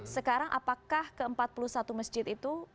sekarang apakah ke empat puluh satu masjid itu